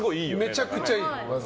めちゃくちゃいい。